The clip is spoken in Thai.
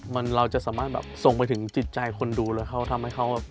มันเราจะสามารถแบบส่งไปถึงจิตใจคนดูแล้วเขาทำให้เขาแบบ